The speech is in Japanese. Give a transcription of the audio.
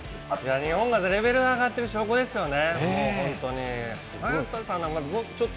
日本がレベル上がってる証拠ですよね。